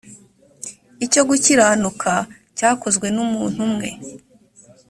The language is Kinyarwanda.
icyo gukiranuka cyakozwe n umuntu umwe